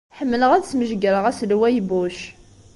Ḥemmleɣ ad smejgreɣ Aselway Bush.